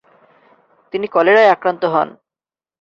তিনি কলেরায় আক্রান্ত হন।